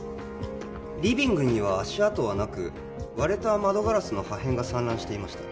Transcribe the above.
リビングには足跡はなく割れた窓ガラスの破片が散乱していました